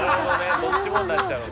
どっちもになっちゃうのか。